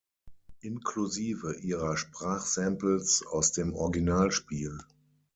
Inklusive ihrer Sprachsamples aus dem Originalspiel.